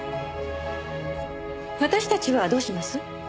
私たちはどうします？